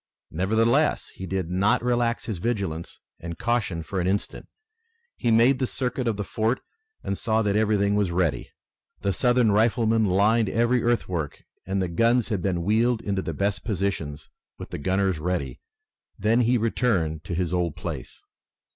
Nevertheless, he did not relax his vigilance and caution for an instant. He made the circuit of the fort and saw that everything was ready. The Southern riflemen lined every earthwork, and the guns had been wheeled into the best positions, with the gunners ready. Then he returned to his old place.